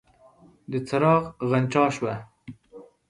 د څرخ غنجا شوه.